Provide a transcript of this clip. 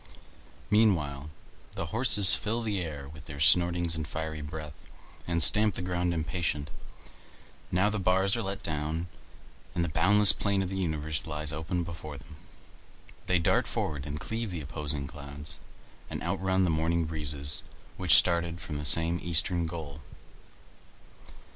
Meanwhile the horses fill the air with their snortings and fiery breath, and stamp the ground impatient. Now the bars are let down, and the boundless plain of the universe lies open before them. They dart forward and cleave the opposing clouds, and outrun the morning breezes which started from the same eastern goal.